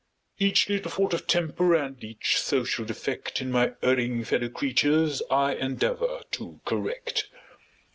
Each little fault of temper and each social defect In my erring fellow creatures, I endeavor to correct.